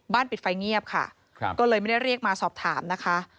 ปิดไฟเงียบค่ะก็เลยไม่ได้เรียกมาสอบถามนะคะ